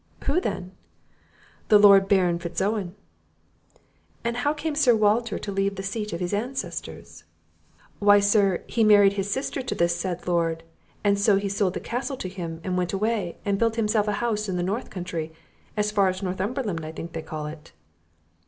"Who then?" "The Lord Baron Fitz Owen." "And how came Sir Walter to leave the seat of his ancestors?" "Why, sir, he married his sister to this said Lord; and so he sold the Castle to him, and went away, and built himself a house in the north country, as far as Northumberland, I think they call it."